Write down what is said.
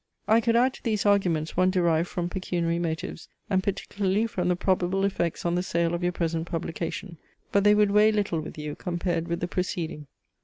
"I could add to these arguments one derived from pecuniary motives, and particularly from the probable effects on the sale of your present publication; but they would weigh little with you compared with the preceding.